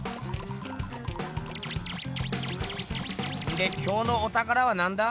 で今日のおたからはなんだ？